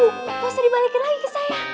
nggak usah dibalikin lagi ke saya